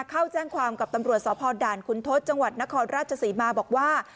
เข้าแจ้งความกับตำรวจสพด่านคุณทศจังหวัดนครราชศรีมาบอกว่า